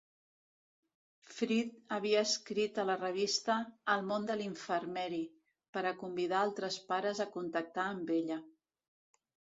Fryd havia escrit a la revista "El món de l'infermeri" per a convidar altres pares a contactar amb ella.